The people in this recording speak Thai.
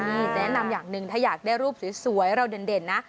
นี่แนะนำอย่างหนึ่งถ้าอยากได้รูปสวยเราเด่นนะ